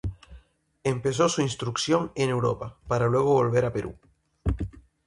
Empezó su instrucción en Europa, para luego volver al Perú.